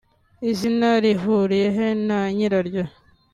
Izina rihuriyehe na nyiraryo